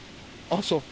あっ、そう。